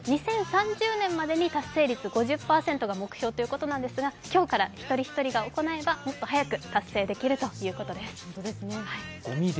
２０３０年までに達成率５０％ということなんですが、今日から一人一人が行えば、もっと早く達成できるということです。